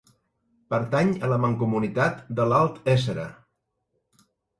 Pertany a la mancomunitat de l'Alt Éssera.